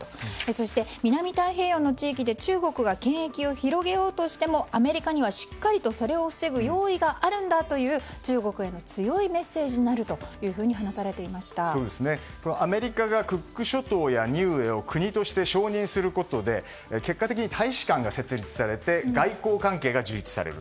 そして南太平洋の地域で中国が権益を広げようとしてもアメリカにはしっかりとそれを防ぐ用意があるんだという中国への強いメッセージもあるというふうにアメリカがクック諸島やニウエを国として承認することで結果として大使館が設立されて外交関係が樹立される。